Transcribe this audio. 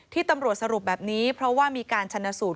ที่ตำรวจสรุปแบบนี้เพราะว่ามีการชนะสูตร